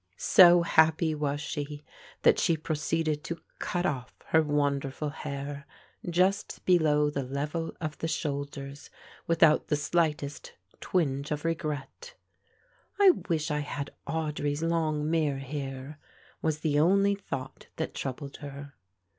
So happy was she that she proceeded to cut off her wonderful hair, just below the level of the shoulders, without the slightest twinge of regret. "I wish I had Audry's long mirror here," was the only thought that troubled her.